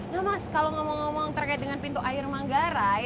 nah mas kalau ngomong ngomong terkait dengan pintu air manggarai